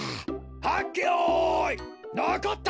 はっけよいのこった！